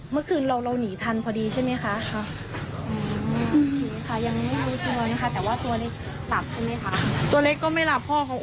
เมื่อคืนเราหนีทันพอดีใช่ไหมคะ